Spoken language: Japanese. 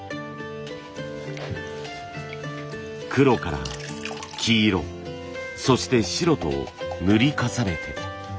黒から黄色そして白と塗り重ねて。